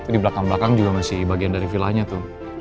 di belakang belakang juga masih bagian dari villanya tuh